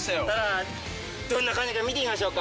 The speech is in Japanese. どんな感じか見てみましょうか。